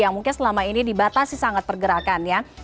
yang mungkin selama ini dibatasi sangat pergerakan ya